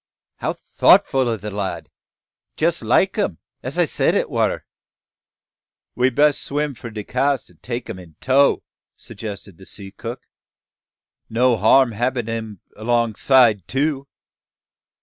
How thoughtful o' the lad! Just like 'im, as I said it war!" "We bess swim for de cask an' take 'im in tow," suggested the sea cook; "no harm hab 'im 'longside too.